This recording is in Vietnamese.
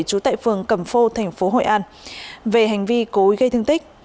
trú tại phường cẩm phô thành phố hội an về hành vi cố ý gây thương tích